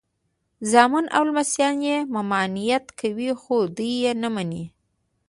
زامن او لمسیان یې ممانعت کوي خو دی یې نه مني.